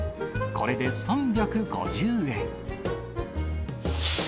これで３５０円。